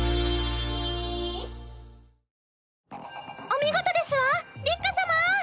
お見事ですわリッカ様！